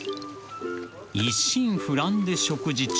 ［一心不乱で食事中］